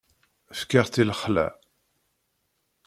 Fkiɣ-tt i lexla.